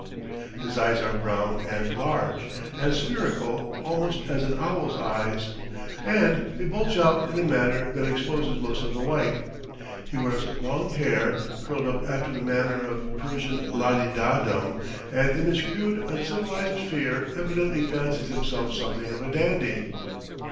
His eyes are brown and large, and spherical almost as an owl's eyes, and they bulge out in a manner that exposes most of the white. He wears long hair, curled up after the manner of Persian la de da dom, and in his crude, uncivilized sphere evidently fancies himself something of a dandy.